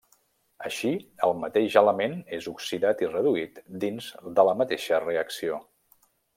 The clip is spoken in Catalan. Així el mateix element és oxidat i reduït dins de la mateixa reacció.